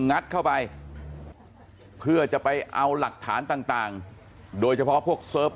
งัดเข้าไปเพื่อจะไปเอาหลักฐานต่างโดยเฉพาะพวกเสิร์ฟ